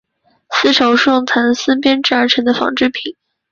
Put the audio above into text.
丝绸是用蚕丝编制而成的纺织品。